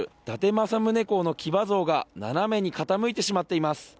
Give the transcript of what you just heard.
伊達政宗公の騎馬像が斜めに傾いてしまっています。